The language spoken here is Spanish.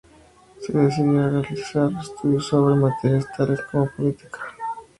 Se dedicó a realizar estudios sobre materias tales como política, educación y administración.